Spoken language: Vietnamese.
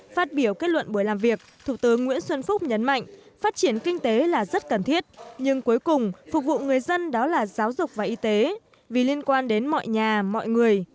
phát biểu kết luận buổi làm việc thủ tướng nguyễn xuân phúc nhấn mạnh phát triển kinh tế là rất cần thiết nhưng cuối cùng phục vụ người dân đó là giáo dục và y tế vì liên quan đến mọi nhà mọi người